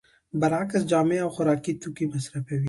برعکس جامې او خوراکي توکي مصرفوي